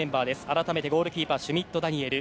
改めてゴールキーパーシュミット・ダニエル。